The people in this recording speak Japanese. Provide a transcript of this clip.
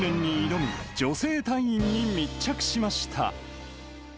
過酷な訓練に挑む女性隊員に密着しました。